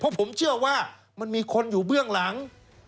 เพราะผมเชื่อว่ามันมีคนอยู่เบื้องหลัง